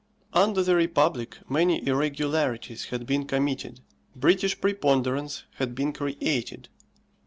Under the republic many irregularities had been committed. British preponderance had been created.